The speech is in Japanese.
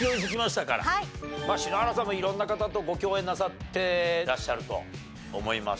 篠原さんも色んな方とご共演なさってらっしゃると思いますし。